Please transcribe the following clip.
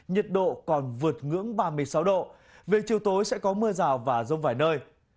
nhiệt độ còn vượt ngưỡng ba mươi sáu độ về chiều tối sẽ có mưa rào và rông vài nơi